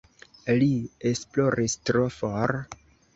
Ri esploris tro for.